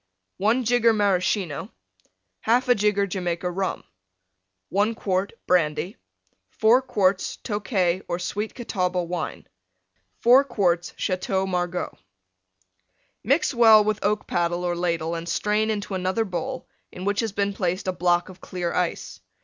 1 jigger Maraschino. 1/2 jigger Jamaica Rum. 1 quart Brandy. 4 quarts Tokay or Sweet Catawba Wine. 2 quarts Madeira Wine. 4 quarts Chateau Margaux. Mix well with oak paddle or ladle and strain into another bowl in which has been placed a block of clear ice.